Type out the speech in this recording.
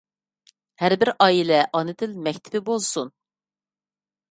ھەر بىر ئائىلە ئانا تىل مەكتىپى بولسۇن!